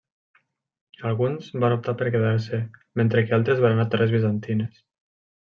Alguns van optar per quedar-se, mentre que altres van anar a terres bizantines.